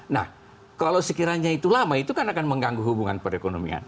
nah kalau sekiranya itu lama itu kan akan mengganggu hubungan perekonomian